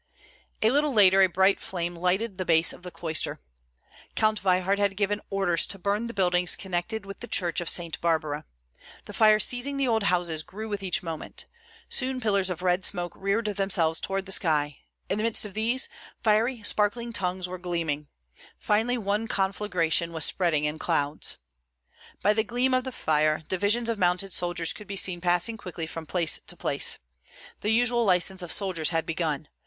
A little later a bright flame lighted the base of the cloister. Count Veyhard had given orders to burn the buildings connected with the church of Saint Barbara. The fire seizing the old houses grew with each moment. Soon pillars of red smoke reared themselves toward the sky; in the midst of these, fiery sparkling tongues were gleaming. Finally one conflagration was spreading in clouds. By the gleam of the fire, divisions of mounted soldiers could be seen passing quickly from place to place. The usual license of soldiers had begun.